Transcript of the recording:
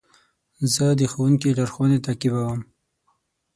زه د ښوونکي لارښوونې تعقیبوم.